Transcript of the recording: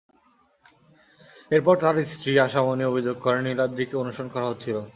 এরপর তাঁর স্ত্রী আশা মনি অভিযোগ করেন, নীলাদ্রিকে অনুসরণ করা হচ্ছিল।